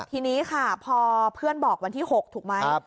ทีนี้ค่ะพอเพื่อนบอกวันที่๖ถูกไหม